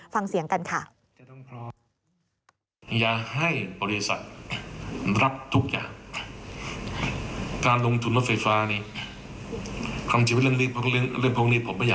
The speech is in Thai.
ฟังเสียงกันค่ะ